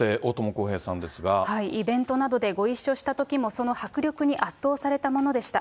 イベントなどでご一緒したときも、その迫力に圧倒されたものでした。